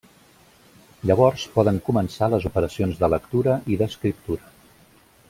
Llavors poden començar les operacions de lectura i d'escriptura.